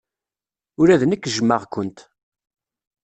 Ula d nekk jjmeɣ-kent.